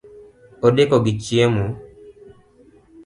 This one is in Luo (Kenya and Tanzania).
Odeko gi chiemo